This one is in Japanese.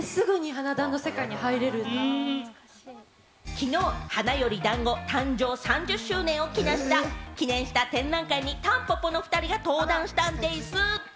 昨日『花より男子』誕生３０周年を記念した展覧会に、たんぽぽの２人が登壇したんでぃす！